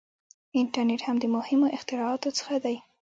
• انټرنېټ هم د مهمو اختراعاتو څخه دی.